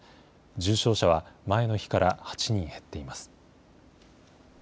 重症者は前の日から８人減っています。